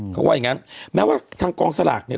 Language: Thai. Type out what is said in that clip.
เขาว่าอย่างงั้นแม้ว่าทางกองสลากเนี่ย